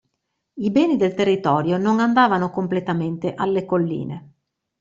I beni del territorio non andavano completamente alle colline.